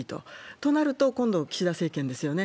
となると、今度岸田政権ですよね。